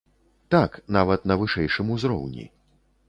Так, нават на вышэйшым узроўні.